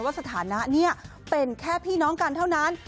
สถานะนี้เป็นแค่พี่น้องกันเท่านั้น